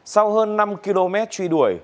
sau hơn năm km truy đuổi